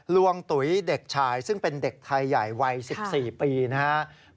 วงตุ๋ยเด็กชายซึ่งเป็นเด็กไทยใหญ่วัย๑๔ปีนะครับ